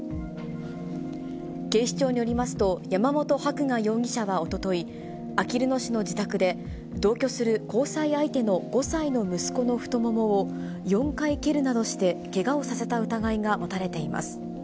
警視庁によりますと、山本伯画容疑者はおととい、あきる野市の自宅で同居する交際相手の５歳の息子の太ももを４回蹴るなどしてけがをさせた疑いが持たれています。